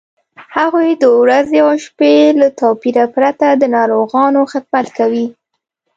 هغوی د ورځې او شپې له توپیره پرته د ناروغانو خدمت کوي.